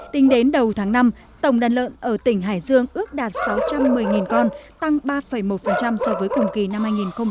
tính đến đầu tháng năm tổng đàn lợn ở tỉnh hải dương ước đạt sáu trăm một mươi con tăng ba một so với cùng kỳ năm hai nghìn một mươi tám